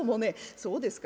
「そうですか。